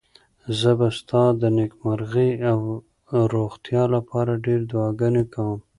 زه به ستا د نېکمرغۍ او روغتیا لپاره ډېرې دعاګانې کوم.